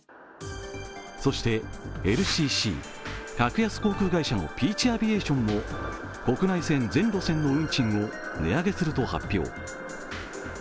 そしてＬＣＣ＝格安航空会社のピーチ・アビエーションも国内線全路線の運賃を値上げすると発表。